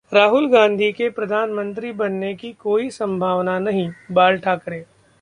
राहुल गांधी के प्रधानमंत्री बनने की कोई संभावना नहीं: बाल ठाकरे